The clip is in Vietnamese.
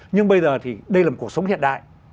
nhưng bây giờ thì đây là một cuộc sống hiện đại